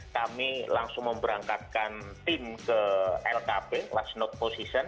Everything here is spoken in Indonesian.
kami langsung memberangkatkan tim ke lkp